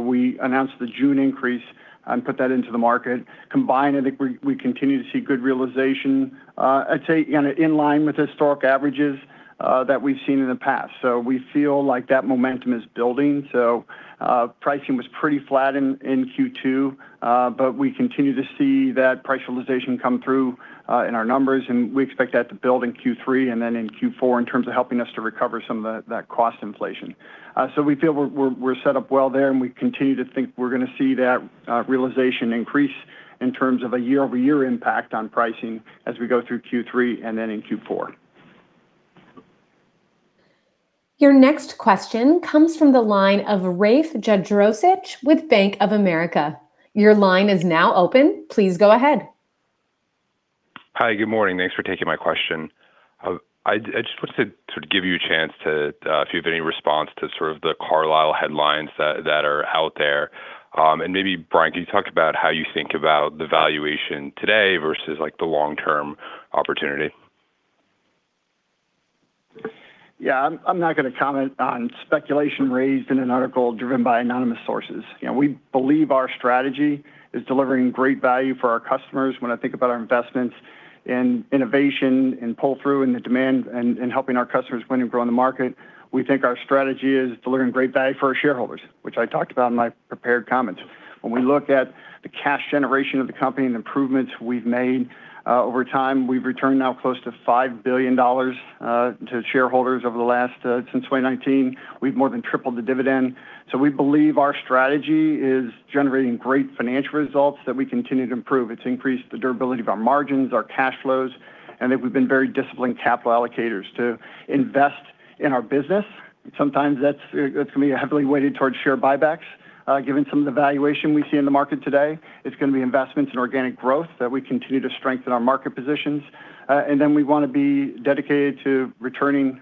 We announced the June increase and put that into the market. Combined, I think we continue to see good realization. I'd say, in line with historic averages that we've seen in the past. We feel like that momentum is building. Pricing was pretty flat in Q2, but we continue to see that price realization come through in our numbers, and we expect that to build in Q3 and then in Q4 in terms of helping us to recover some of that cost inflation. We feel we're set up well there, and we continue to think we're going to see that realization increase in terms of a year-over-year impact on pricing as we go through Q3 and then in Q4. Your next question comes from the line of Rafe Jadrosich with Bank of America. Your line is now open. Please go ahead. Hi, good morning. Thanks for taking my question. I just wanted to give you a chance to, if you have any response to the Carlisle headlines that are out there. Maybe, Brian, can you talk about how you think about the valuation today versus the long-term opportunity? Yeah, I'm not going to comment on speculation raised in an article driven by anonymous sources. We believe our strategy is delivering great value for our customers when I think about our investments in innovation and pull-through and the demand and helping our customers win and grow in the market. We think our strategy is delivering great value for our shareholders, which I talked about in my prepared comments. When we look at the cash generation of the company and improvements we've made over time, we've returned now close to $5 billion to shareholders over the last, since 2019. We've more than tripled the dividend. We believe our strategy is generating great financial results that we continue to improve. It's increased the durability of our margins, our cash flows, and that we've been very disciplined capital allocators to invest in our business. Sometimes, that's going to be heavily weighted towards share buybacks. Given some of the valuation we see in the market today, it's going to be investments in organic growth that we continue to strengthen our market positions. And then, we want to be dedicated to returning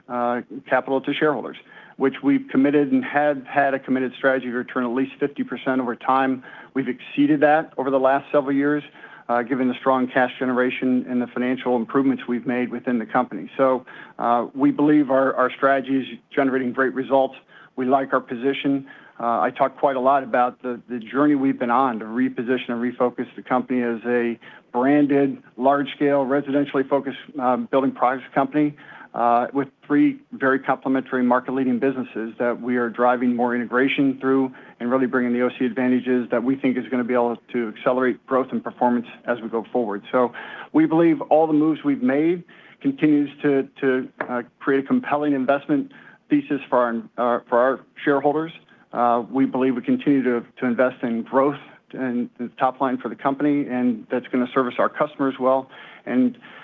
capital to shareholders, which we've committed and have had a committed strategy to return at least 50% over time We've exceeded that over the last several years, given the strong cash generation and the financial improvements we've made within the company. We believe our strategy is generating great results. We like our position. I talked quite a lot about the journey we've been on to reposition and refocus the company as a branded, large-scale, residentially focused building products company with three very complementary market-leading businesses that we are driving more integration through and really bringing the OC advantages that we think is going to be able to accelerate growth and performance as we go forward. We believe all the moves we've made continues to create a compelling investment thesis for our shareholders. We believe we continue to invest in growth and the top line for the company, and that's going to service our customers well.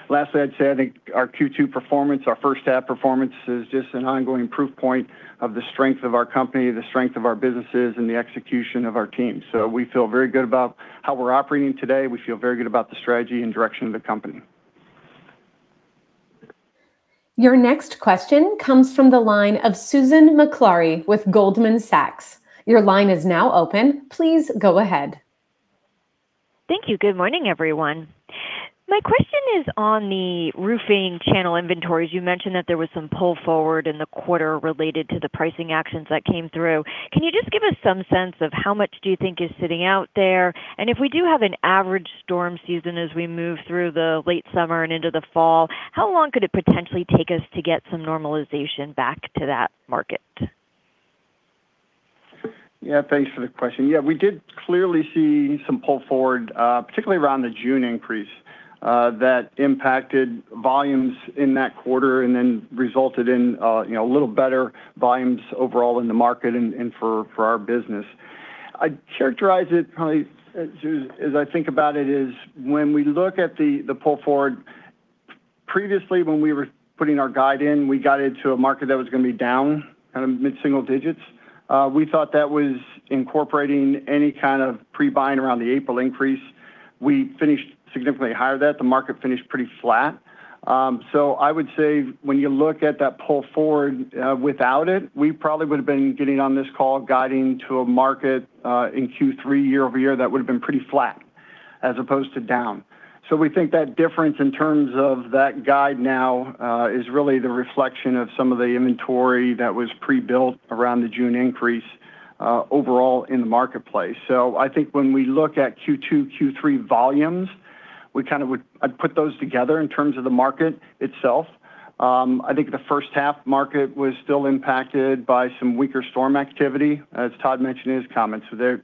Lastly, I'd say, I think our Q2 performance, our first half performance, is just an ongoing proof point of the strength of our company, the strength of our businesses, and the execution of our team. We feel very good about how we're operating today. We feel very good about the strategy and direction of the company. Your next question comes from the line of Susan Maklari with Goldman Sachs. Your line is now open. Please go ahead. Thank you. Good morning, everyone. My question is on the roofing channel inventories. You mentioned that there was some pull forward in the quarter related to the pricing actions that came through. Can you just give us some sense of how much do you think is sitting out there? And if we do have an average storm season as we move through the late summer and into the fall, how long could it potentially take us to get some normalization back to that market? Thanks for the question. We did clearly see some pull forward, particularly around the June increase, that impacted volumes in that quarter and then resulted in a little better volume overall in the market and for our business. I would characterize it probably, Susan, as I think about it, is when we look at the pull forward, previously, when we were putting our guide in, we got into a market that was going to be down mid-single digits. We thought that was incorporating any kind of pre-buying around the April increase. We finished significantly higher than that. The market finished pretty flat. So, I would say, when you look at that pull forward without it, we probably would have been getting on this call guiding to a market in Q3 year-over-year that would have been pretty flat as opposed to down. We think that difference in terms of that guide now is really the reflection of some of the inventory that was pre-built around the June increase overall in the marketplace. I think when we look at Q2, Q3 volumes, I would put those together in terms of the market itself, I think the first half market was still impacted by some weaker storm activity, as Todd mentioned in his comments. The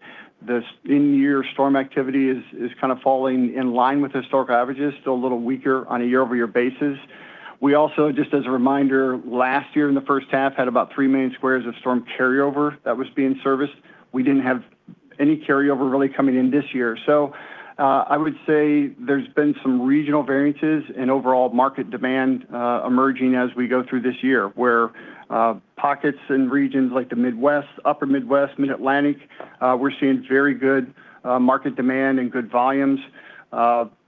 in-year storm activity is kind of falling in line with historical averages, still a little weaker on a year-over-year basis. We also, just as a reminder, last year in the first half had about 3 million squares of storm carryover that was being serviced. We didn't have any carryover really coming in this year. I would say there's been some regional variances and overall market demand emerging as we go through this year, where pockets in regions like the Midwest, upper Midwest, Mid-Atlantic, we're seeing very good market demand and good volumes.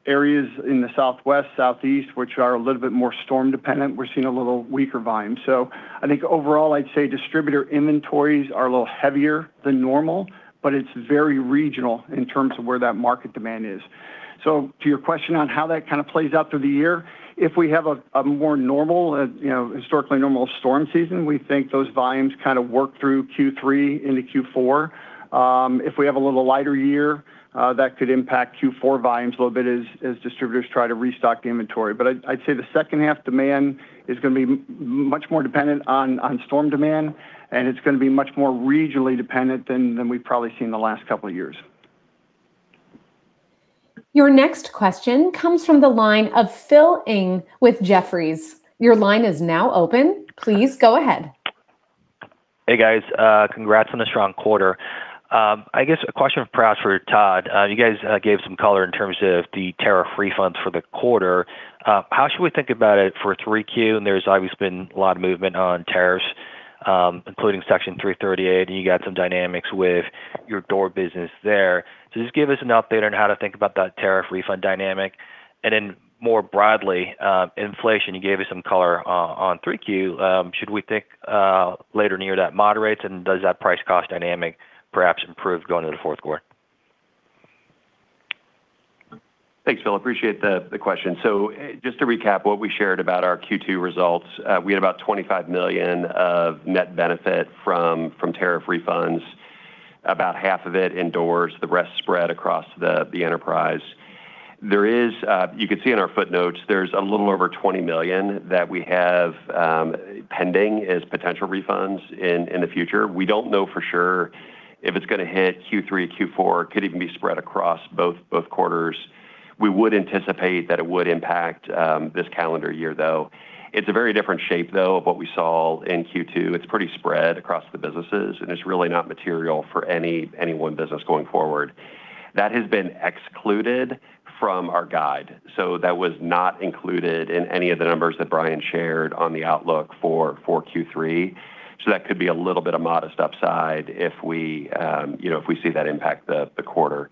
Areas in the Southwest, Southeast, which are a little bit more storm dependent, we're seeing a little weaker volume. I think overall, I would say, distributor inventories are a little heavier than normal, but it's very regional in terms of where that market demand is. To your question on how that kind of plays out through the year, if we have a more historically normal storm season, we think those volumes kind of work through Q3 into Q4. If we have a little lighter year, that could impact Q4 volumes a little bit as distributors try to restock the inventory. But I would say the second half demand is going to be much more dependent on storm demand, and it's going to be much more regionally dependent than we've probably seen in the last couple of years. Your next question comes from the line of Phil Ng with Jefferies. Your line is now open. Please go ahead. Hey, guys. Congrats on the strong quarter. I guess a question perhaps for Todd. You guys gave some color in terms of the tariff refunds for the quarter. How should we think about it for 3Q, and there's obviously been a lot of movement on tariffs including Section 338, and you got some dynamics with your door business there. Just give us an update on how to think about that tariff refund dynamic. And then, more broadly, inflation, you gave us some color on 3Q. Should we think later in the year that moderates, and does that price cost dynamic perhaps improve going into the fourth quarter? Thanks, Phil. Appreciate the question. Just to recap, what we shared about our Q2 results, we had about $25 million of net benefit from tariff refunds, about half of it in doors, the rest spread across the enterprise. You could see in our footnotes, there's a little over $20 million that we have pending as potential refunds in the future. We don't know for sure if it's going to hit Q3 or Q4. It could even be spread across both quarters. We would anticipate that it would impact this calendar year, though. It's a very different shape, though, of what we saw in Q2. It's pretty spread across the businesses, and it's really not material for any one business going forward. That has been excluded from our guide. That was not included in any of the numbers that Brian shared on the outlook for Q3. That could be a little bit of modest upside if we see that impact the quarter.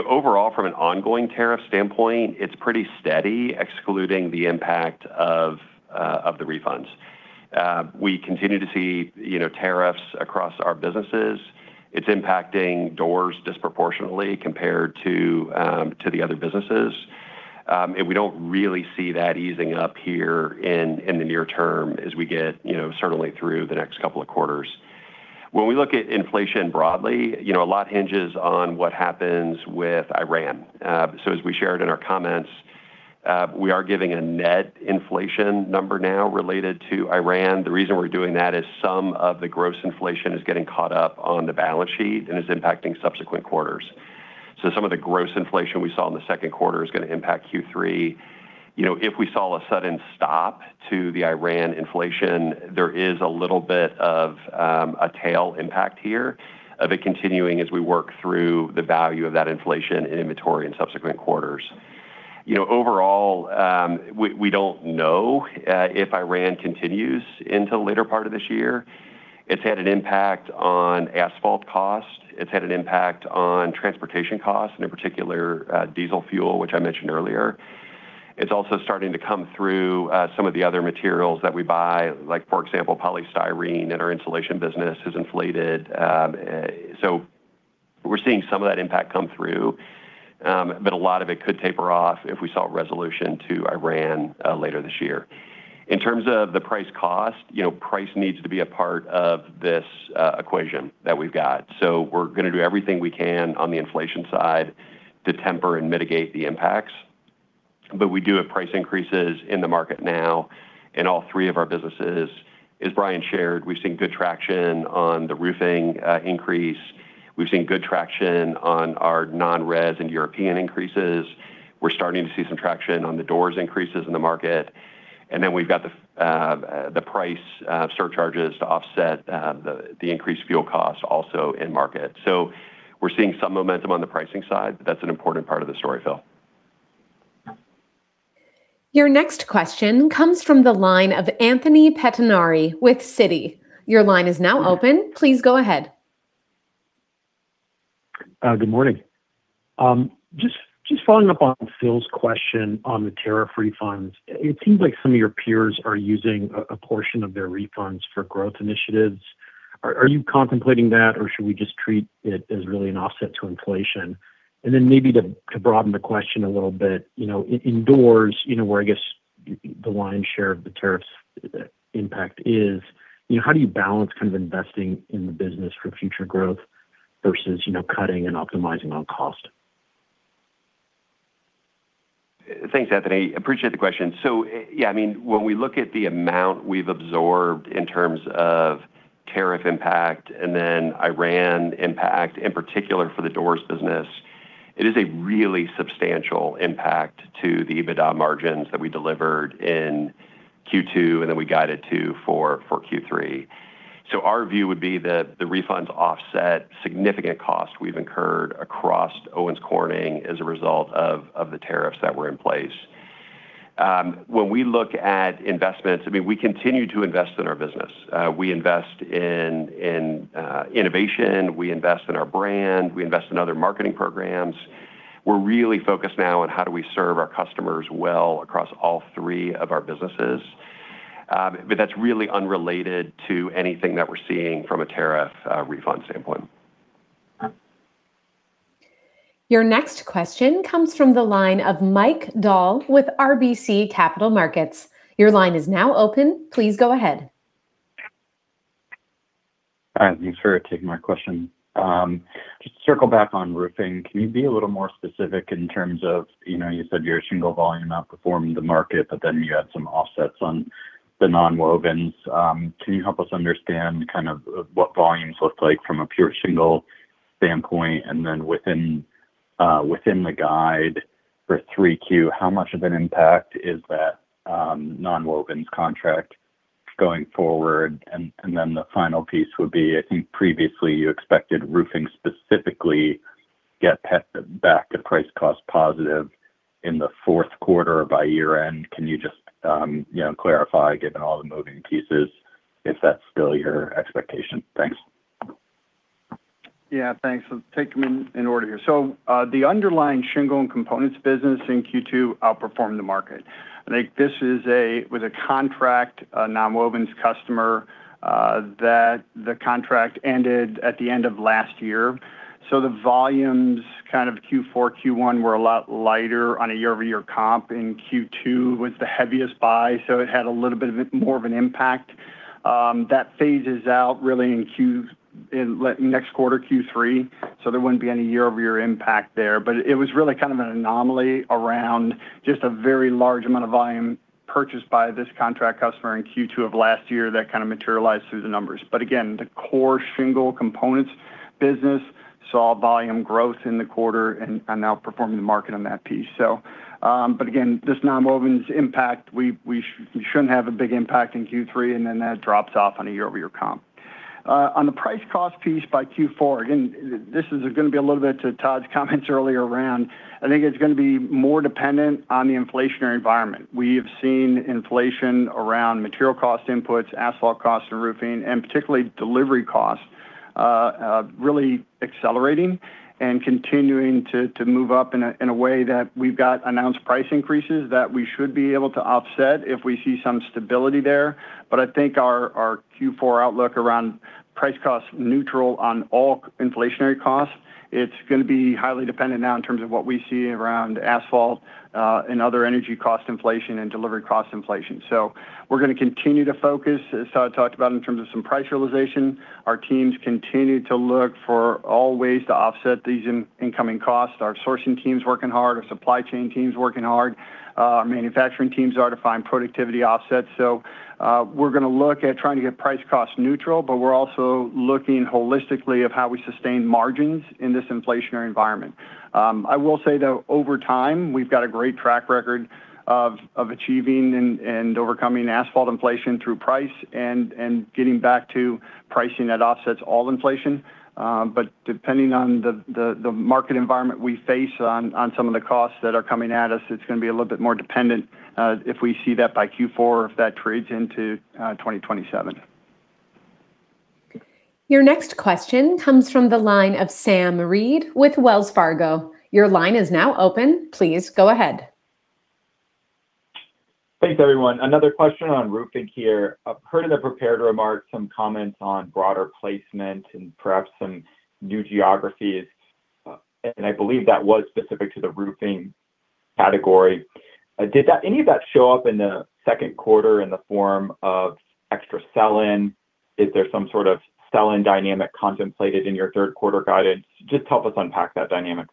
Overall, from an ongoing tariff standpoint, it's pretty steady excluding the impact of the refunds. We continue to see tariffs across our businesses. It's impacting doors disproportionately compared to the other businesses. We don't really see that easing up here in the near term as we get certainly through the next couple of quarters. When we look at inflation broadly, a lot hinges on what happens with Iran. As we shared in our comments, we are giving a net inflation number now related to Iran. The reason we're doing that is some of the gross inflation is getting caught up on the balance sheet and is impacting subsequent quarters. Some of the gross inflation we saw in the second quarter is going to impact Q3. If we saw a sudden stop to the Iran inflation, there is a little bit of a tail impact here of it continuing as we work through the value of that inflation in inventory in subsequent quarters. Overall, we don't know if Iran continues into the later part of this year. It's had an impact on asphalt cost. It's had an impact on transportation costs, and in particular, diesel fuel, which I mentioned earlier. It's also starting to come through some of the other materials that we buy, like, for example, polystyrene in our insulation business has inflated. We're seeing some of that impact come through, but a lot of it could taper off if we saw a resolution to Iran later this year. In terms of the price cost, price needs to be a part of this equation that we've got. We're going to do everything we can on the inflation side to temper and mitigate the impacts, but we do have price increases in the market now in all three of our businesses. As Brian shared, we've seen good traction on the roofing increase. We've seen good traction on our non-res and European increases. We're starting to see some traction on the doors increases in the market. And then, we've got the price surcharges to offset the increased fuel costs also in market. We're seeing some momentum on the pricing side. That's an important part of the story, Phil. Your next question comes from the line of Anthony Pettinari with Citi. Your line is now open. Please go ahead. Good morning. Just following up on Phil's question on the tariff refunds. It seems like some of your peers are using a portion of their refunds for growth initiatives. Are you contemplating that, or should we just treat it as really an offset to inflation? And then, maybe, to broaden the question a little bit, in doors, where I guess the lion's share of the tariffs impact is, how do you balance kind of investing in the business for future growth versus cutting and optimizing on cost? Thanks, Anthony. Appreciate the question. Yeah, when we look at the amount we've absorbed in terms of tariff impact and then Iran impact, in particular for the doors business, it is a really substantial impact to the EBITDA margins that we delivered in Q2 and then we guided to for Q3. Our view would be that the refunds offset significant costs we've incurred across Owens Corning as a result of the tariffs that were in place. When we look at investments, we continue to invest in our business. We invest in innovation. We invest in our brand. We invest in other marketing programs. We're really focused now on how do we serve our customers well across all three of our businesses. That's really unrelated to anything that we're seeing from a tariff refund standpoint. Your next question comes from the line of Mike Dahl with RBC Capital Markets. Your line is now open. Please go ahead. All right. Thanks for taking my question. Just to circle back on roofing, can you be a little more specific in terms of, you know, you said your shingle volume outperformed the market, but then you had some offsets on the nonwovens, can you help us understand kind of what volumes look like from a pure shingle standpoint? And then within the guide for 3Q, how much of an impact is that nonwovens contract going forward? And then the final piece would be, I think previously, you expected roofing specifically to get back to price cost positive in the fourth quarter or by year-end. Can you just clarify, given all the moving pieces, if that's still your expectation? Thanks. Yeah. Thanks. I'll take them in order here. The underlying shingle and components business in Q2 outperformed the market. I think this is with a contract nonwovens customer that the contract ended at the end of last year. The volumes kind of Q4, Q1 were a lot lighter on a year-over-year comp, and Q2 was the heaviest buy, so it had a little bit more of an impact. That phases out really in next quarter, Q3, so there wouldn't be any year-over-year impact there. But it was really kind of an anomaly around just a very large amount of volume purchased by this contract customer in Q2 of last year that kind of materialized through the numbers. But again, the core shingle components business saw volume growth in the quarter and outperformed the market on that piece. Again, this nonwovens impact, we shouldn't have a big impact in Q3, and then that drops off on a year-over-year comp. On the price cost piece by Q4, again, this is going to be a little bit to Todd's comments earlier around, I think it's going to be more dependent on the inflationary environment. We have seen inflation around material cost inputs, asphalt costs in roofing, and particularly, delivery costs really accelerating and continuing to move up in a way that we've got announced price increases that we should be able to offset if we see some stability there. But I think our Q4 outlook around price cost neutral on all inflationary costs, it's going to be highly dependent now in terms of what we see around asphalt and other energy cost inflation and delivery cost inflation. So, we're going to continue to focus, as Todd talked about in terms of some price realization. Our teams continue to look for all ways to offset these incoming costs. Our sourcing team's working hard, our supply chain team's working hard, our manufacturing teams are to find productivity offsets. We're going to look at trying to get price cost neutral, but we're also looking holistically of how we sustain margins in this inflationary environment. I will say, though, over time, we've got a great track record of achieving and overcoming asphalt inflation through price and getting back to pricing that offsets all inflation but depending on the market environment we face on some of the costs that are coming at us, it's going to be a little bit more dependent if we see that by Q4, if that trades into 2027. Your next question comes from the line of Sam Reid with Wells Fargo. Your line is now open. Please go ahead. Thanks, everyone. Another question on roofing here. I've heard in the prepared remarks some comments on broader placement and perhaps, some new geographies, and I believe that was specific to the roofing category. Did any of that show up in the second quarter in the form of extra sell-in? Is there some sort of sell-in dynamic contemplated in your third quarter guidance? Just help us unpack that dynamic.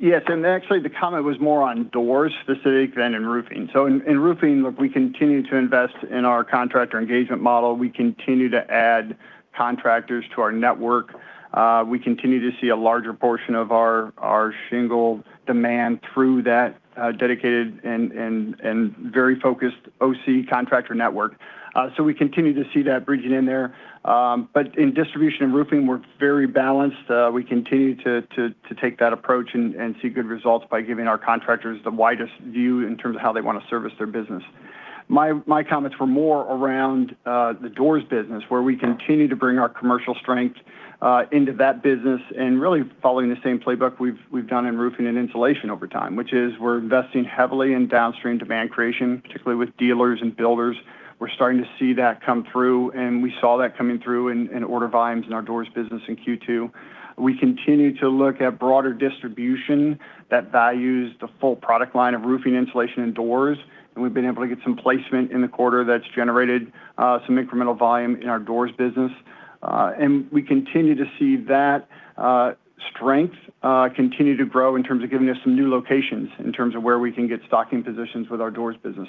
Yes, and actually, the comment was more on doors specific than in roofing. In roofing, look, we continue to invest in our contractor engagement model. We continue to add contractors to our network. We continue to see a larger portion of our shingle demand through that dedicated and very focused OC contractor network. We continue to see that bridging in there, but in distribution and roofing, we're very balanced. We continue to take that approach and see good results by giving our contractors the widest view in terms of how they want to service their business. My comments were more around the doors business, where we continue to bring our commercial strength into that business and really following the same playbook we've done in roofing and insulation over time, which is we're investing heavily in downstream demand creation, particularly with dealers and builders. We're starting to see that come through, we saw that coming through in order volumes in our doors business in Q2. We continue to look at broader distribution that values the full product line of roofing, insulation, and doors. We've been able to get some placement in the quarter that's generated some incremental volume in our doors business. We continue to see that strength continue to grow in terms of giving us some new locations in terms of where we can get stocking positions with our doors business.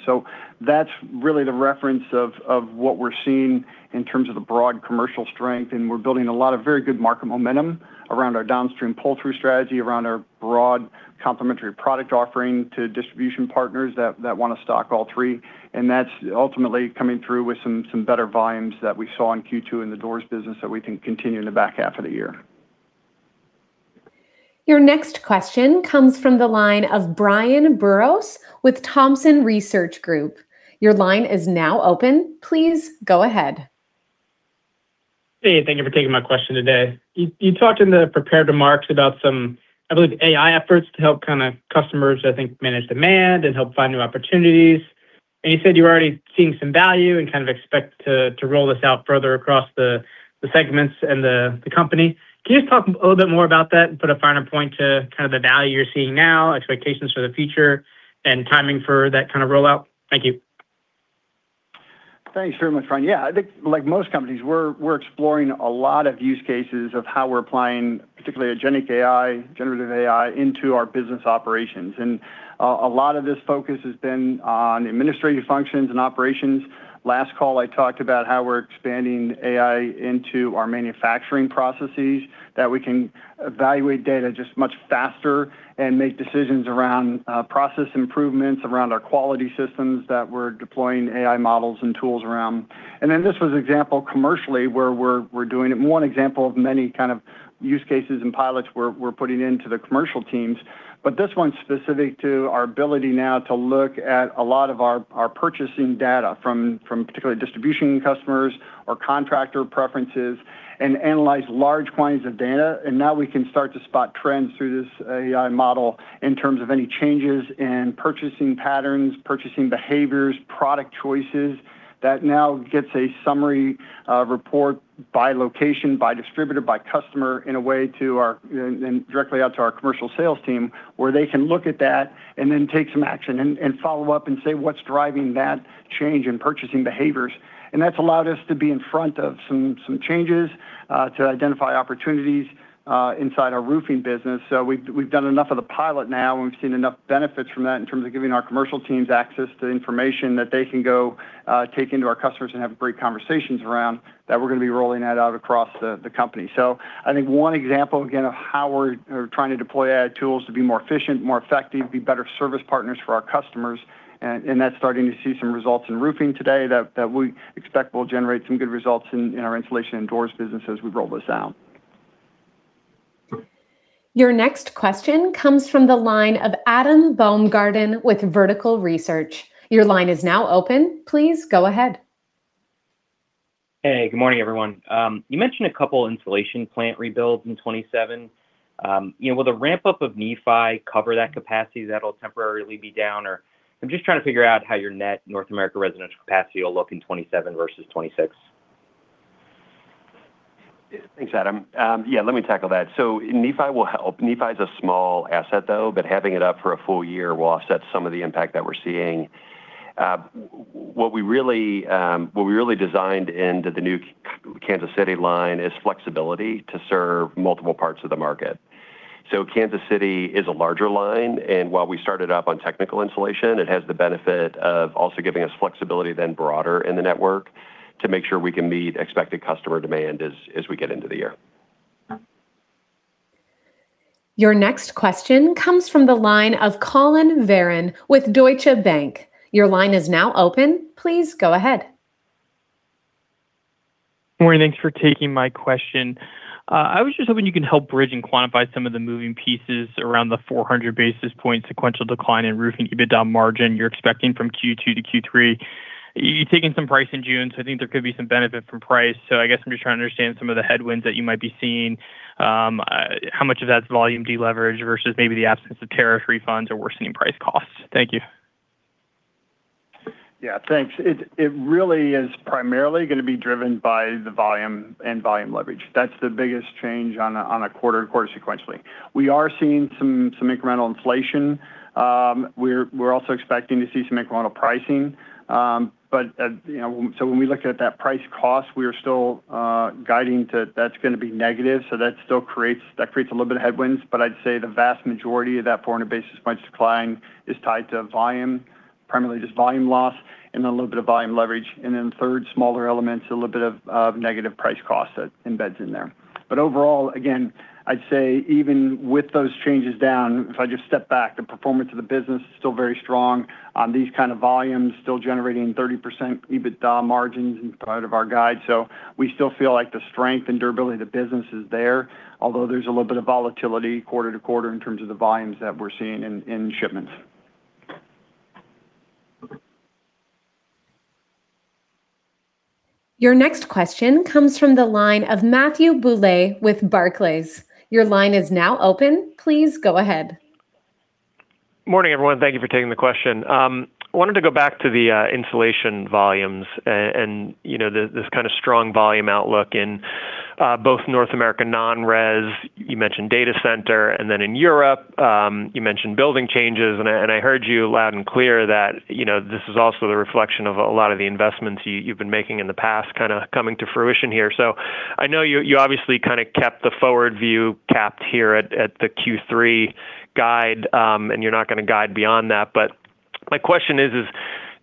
That's really the reference of what we're seeing in terms of the broad commercial strength, and we're building a lot of very good market momentum around our downstream pull-through strategy, around our broad complementary product offering to distribution partners that want to stock all three. And that's ultimately coming through with some better volumes that we saw in Q2 in the doors business that we think continue in the back half of the year. Your next question comes from the line of Brian Biros with Thompson Research Group. Your line is now open. Please go ahead. Hey, thank you for taking my question today. You talked in the prepared remarks about some, I believe, AI efforts to help customers, I think, manage demand and help find new opportunities. You said you're already seeing some value and expect to roll this out further across the segments and the company. Can you just talk a little bit more about that and put a finer point to the value you're seeing now, expectations for the future, and timing for that rollout? Thank you. Thanks very much, Brian. Yeah, I think like most companies, we're exploring a lot of use cases of how we're applying particularly agentic AI, generative AI, into our business operations. A lot of this focus has been on administrative functions and operations. Last call, I talked about how we're expanding AI into our manufacturing processes, that we can evaluate data just much faster and make decisions around process improvements, around our quality systems that we're deploying AI models and tools around. This was an example commercially where we're doing it, one example of many use cases and pilots we're putting into the commercial teams. But this one's specific to our ability now to look at a lot of our purchasing data from particularly distribution customers or contractor preferences and analyze large quantities of data. And now, we can start to spot trends through this AI model in terms of any changes in purchasing patterns, purchasing behaviors, product choices. That now gets a summary report by location, by distributor, by customer in a way directly out to our commercial sales team, where they can look at that and then take some action and follow up and say what's driving that change in purchasing behaviors. That's allowed us to be in front of some changes to identify opportunities inside our roofing business. We've done enough of the pilot now, and we've seen enough benefits from that in terms of giving our commercial teams access to information that they can go take into our customers and have great conversations around that we're going to be rolling that out across the company. I think one example, again, of how we're trying to deploy AI tools to be more efficient, more effective, be better service partners for our customers. That's starting to see some results in roofing today that we expect will generate some good results in our insulation and doors business as we roll this out. Your next question comes from the line of Adam Baumgarten with Vertical Research. Your line is now open. Please go ahead. Hey, good morning, everyone. You mentioned a couple insulation plant rebuilds in 2027. Will the ramp-up of Nephi cover that capacity that'll temporarily be down? I'm just trying to figure out how your net North America residential capacity will look in 2027 versus 2026. Thanks, Adam. Yeah, let me tackle that. Nephi will help. Nephi is a small asset though but having it up for a full year will offset some of the impact that we're seeing. What we really designed into the new Kansas City line is flexibility to serve multiple parts of the market. Kansas City is a larger line, and while we started up on technical insulation, it has the benefit of also giving us flexibility then broader in the network to make sure we can meet expected customer demand as we get into the year. Your next question comes from the line of Collin Verron with Deutsche Bank. Your line is now open. Please go ahead. Morning, thanks for taking my question. I was just hoping you can help bridge and quantify some of the moving pieces around the 400-basis-points sequential decline in roofing EBITDA margin you're expecting from Q2 to Q3. You're taking some price in June, I think there could be some benefit from price. I guess I'm just trying to understand some of the headwinds that you might be seeing. How much of that's volume deleverage versus maybe the absence of tariff refunds or worsening price costs? Thank you. Yeah, thanks. It really is primarily going to be driven by the volume and volume leverage. That's the biggest change on a quarter sequentially. We are seeing some incremental inflation. We're also expecting to see some incremental pricing. When we look at that price cost, we are still guiding to that's going to be negative, so that creates a little bit of headwinds, but I'd say the vast majority of that 400-basis-points decline is tied to volume, primarily just volume loss, and then a little bit of volume leverage. Then third, smaller elements, a little bit of negative price cost that embeds in there. But overall, again, I'd say even with those changes down, if I just step back, the performance of the business is still very strong on these kinds of volumes, still generating 30% EBITDA margins out of our guide. We still feel like the strength and durability of the business is there, although there's a little bit of volatility quarter-to-quarter in terms of the volumes that we're seeing in shipments. Your next question comes from the line of Matthew Bouley with Barclays. Your line is now open. Please go ahead. Morning, everyone. Thank you for taking the question. I wanted to go back to the insulation volumes and this kind of strong volume outlook in both North America non-res, you mentioned data center, and then in Europe, you mentioned building changes, and I heard you loud and clear that this is also the reflection of a lot of the investments you've been making in the past kind of coming to fruition here. I know you obviously kept the forward view capped here at the Q3 guide, and you're not going to guide beyond that. My question is,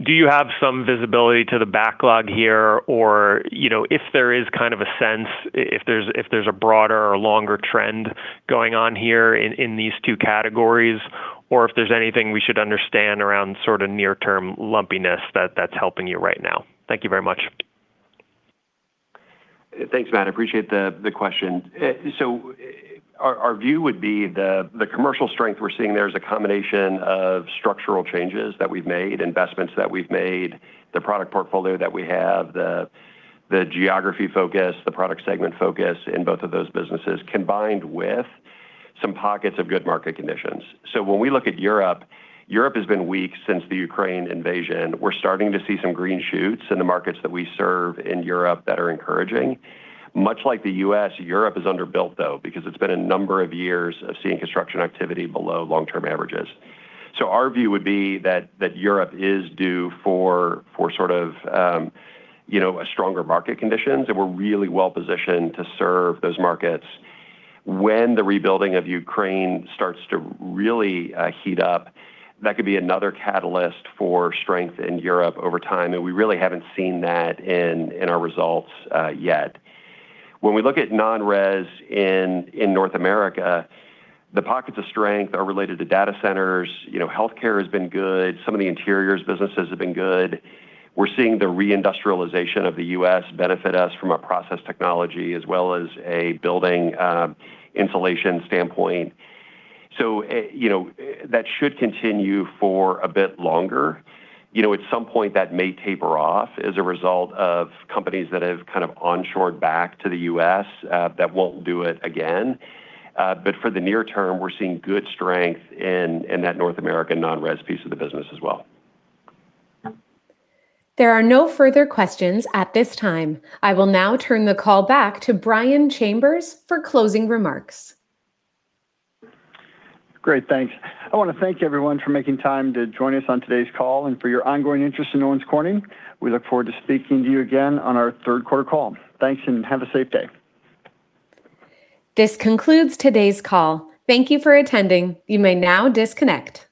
do you have some visibility to the backlog here, or if there is kind of a sense if there's a broader or longer trend going on here in these two categories? Or if there's anything we should understand around sort of near-term lumpiness that's helping you right now? Thank you very much. Thanks, Matt. I appreciate the question. Our view would be the commercial strength we're seeing there is a combination of structural changes that we've made, investments that we've made, the product portfolio that we have, the geography focus, the product segment focus in both of those businesses, combined with some pockets of good market conditions. When we look at Europe, Europe has been weak since the Ukraine invasion. We're starting to see some green shoots in the markets that we serve in Europe that are encouraging. Much like the U.S., Europe is underbuilt though, because it's been a number of years of seeing construction activity below long-term averages. Our view would be that Europe is due for a stronger market conditions, and we're really well-positioned to serve those markets. When the rebuilding of Ukraine starts to really heat up, that could be another catalyst for strength in Europe over time, and we really haven't seen that in our results yet. When we look at non-res in North America, the pockets of strength are related to data centers. Healthcare has been good. Some of the interiors businesses have been good. We're seeing the reindustrialization of the U.S. benefit us from a process technology as well as a building insulation standpoint. That should continue for a bit longer. At some point, that may taper off as a result of companies that have kind of onshored back to the U.S. that won't do it again. But for the near term, we're seeing good strength in that North American non-res piece of the business as well. There are no further questions at this time. I will now turn the call back to Brian Chambers for closing remarks. Great, thanks. I want to thank everyone for making time to join us on today's call and for your ongoing interest in Owens Corning. We look forward to speaking to you again on our third quarter call. Thanks, and have a safe day. This concludes today's call. Thank you for attending. You may now disconnect.